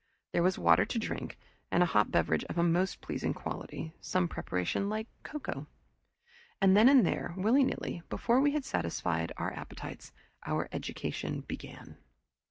There was water to drink, and a hot beverage of a most pleasing quality, some preparation like cocoa. And then and there, willy nilly, before we had satisfied our appetites, our education began.